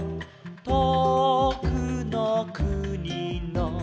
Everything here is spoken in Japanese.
「とおくのくにの」